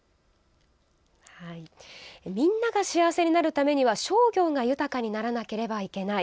みんなが幸せになるためには商業が豊かにならなければいけない。